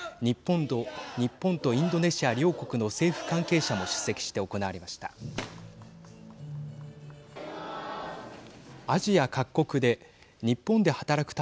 日本とインドネシア両国の政府関係者も出席して行われました。